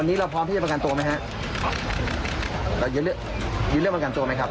วันนี้เราพร้อมที่จะประกันตัวไหมฮะเรายื่นเรื่องประกันตัวไหมครับ